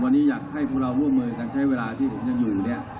วันนี้อยากให้พวกเราร่วมมือกันใช้เวลาที่ผมยังอยู่เนี่ย